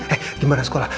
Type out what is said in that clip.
eh gimana sekolah